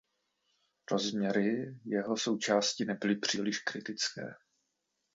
Rozměry jeho součástí nebyly příliš kritické.